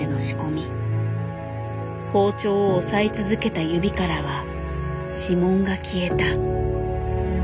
包丁を押さえ続けた指からは指紋が消えた。